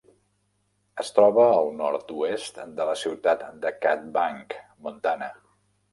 Es troba al nord-oest de la ciutat de Cut Bank, Montana.